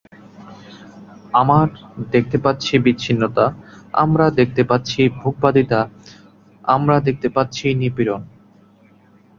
আমার দেখতে পাচ্ছি বিচ্ছিন্নতা, আমরা দেখতে পাচ্ছি ভোগবাদিতা, আমরা দেখতে পাচ্ছি নিপীড়ন।